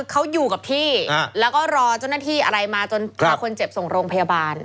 เขาอยู่กับที่แล้วก็รอเจ้าหน้าที่อะไรมาจนพาคนเจ็บส่งโรงพยาบาล